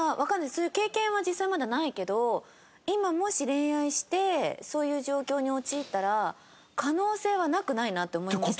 そういう経験は実際まだないけど今もし恋愛してそういう状況に陥ったら可能性はなくないなって思いました。